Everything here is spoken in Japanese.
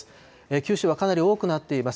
九州はかなり多くなっています。